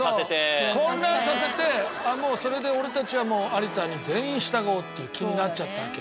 そう混乱させてそれで俺たちは有田に全員従おうっていう気になっちゃったわけ。